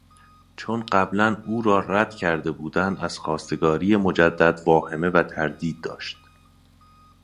چون قبلا او را ردکرده بودند از خواستگاری مجدد واهمه و تردید داشت.